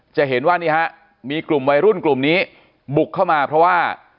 จะเห็นว่านี่ฮะมีกลุ่มวัยรุ่นกลุ่มนี้บุกเข้ามาเพราะว่า